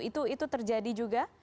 itu terjadi juga